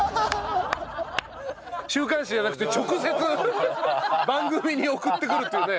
週刊誌じゃなくて直接番組に送ってくるっていうね。